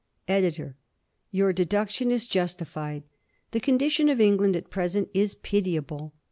EDITOR: Your deduction is justified. The condition of England at present is pitiable.